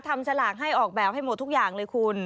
ฉลากให้ออกแบบให้หมดทุกอย่างเลยคุณ